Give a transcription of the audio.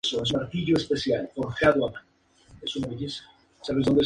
Se encuentra en el Mar de Azov y en el río Don.